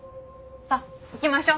さあ行きましょう。